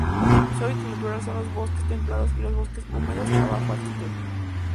Su hábitat natural son los bosques templados y los bosques húmedos a baja altitud.